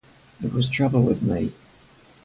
It was trouble with me.